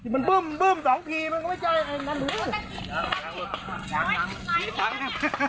มันบึ้มสองทีมันก็ไม่เจออะไร